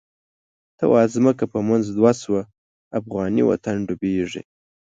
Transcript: ته واځمکه په منځ دوه شوه، افغانی وطن ډوبیږی